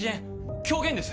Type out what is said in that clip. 狂言です。